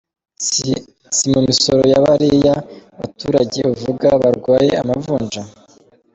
Si mumisoro yabariya baturage uvuga barwaye amavunja?